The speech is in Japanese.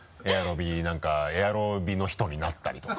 エアロビの人になったりとか。